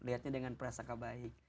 lihatnya dengan perasaan kabahik